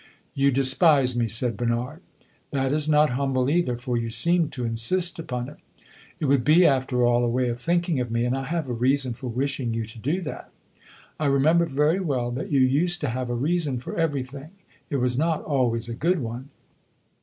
"You despise me," said Bernard. "That is not humble either, for you seem to insist upon it." "It would be after all a way of thinking of me, and I have a reason for wishing you to do that." "I remember very well that you used to have a reason for everything. It was not always a good one."